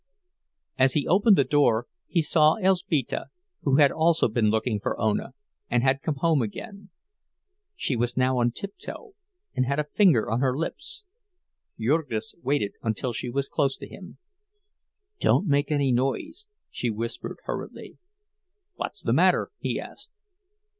As he opened the door, he saw Elzbieta, who had also been looking for Ona, and had come home again. She was now on tiptoe, and had a finger on her lips. Jurgis waited until she was close to him. "Don't make any noise," she whispered, hurriedly. "What's the matter'?" he asked.